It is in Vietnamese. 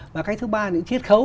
và cái thứ ba là những chiết khấu